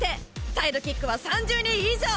サイドキックは３０人以上！